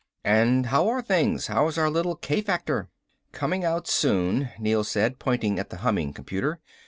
"And how are things? How's our little k factor?" "Coming out soon," Neel said, pointing at the humming computer.